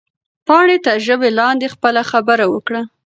پاڼې تر ژبه لاندې خپله خبره وکړه.